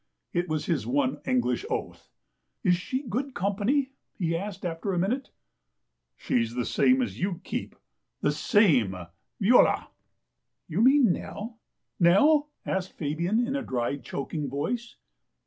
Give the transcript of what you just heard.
It was his one English oath. " Is she good company ?" he asked after a minute. "She's the same as you keep — the same. Voila!" "You mean Nell — Nell?" asked Fabian, in a dry, choking voice.